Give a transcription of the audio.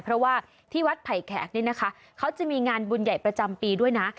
เพราะว่าที่วัดไผ่แขกนี่นะคะเขาจะมีงานบุญใหญ่ประจำปีด้วยนะ